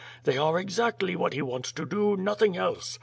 They are exactly what he wants to do; nothing else.